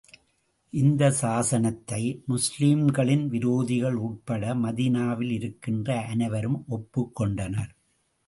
இந்தச் சாசனத்தை, முஸ்லிம்களின் விரோதிகள் உட்பட மதீனாவில் இருக்கின்ற அனைவரும் ஒப்புக் கொண்டனர்.